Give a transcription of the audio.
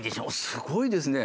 すごいですね！